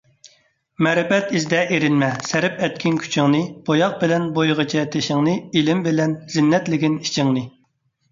مەرىپەت ئىزدە ئېرىنمە، سەرىپ ئەتكىن كۈچىڭنى؛ بوياق بىلەن بويىغىچە تېشىڭنى ، ئىلىم بىلەن زىننەتلىگىن ئىچىڭنى.